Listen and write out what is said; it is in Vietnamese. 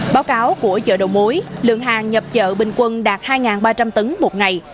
báo cáo của chợ đầu mối lượng hàng nhập chợ bình quân đạt hai ba trăm linh tấn một ngày